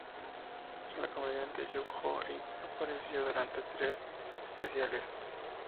La comediante Jung Joo-ri apareció durante los tres especiales.